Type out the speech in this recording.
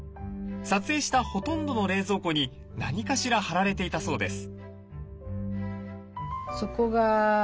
撮影したほとんどの冷蔵庫に何かしら貼られていたそうです。